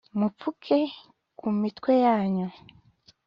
mupfuke ku mitwe yanyu .